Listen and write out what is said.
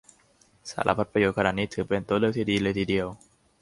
สารพัดประโยชน์ขนาดนี้ถือเป็นตัวเลือกที่ดีเลยทีเดียว